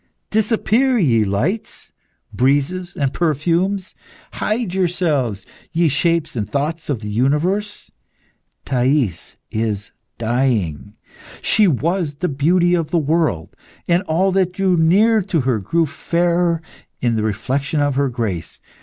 Disappear, ye lights, breezes, and perfumes! Hide yourselves, ye shapes and thoughts of the universe! 'Thais is dying!' She was the beauty of the world, and all that drew near to her grew fairer in the reflection of her grace.